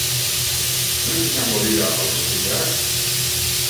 Noiz izango dira hauteskundeak?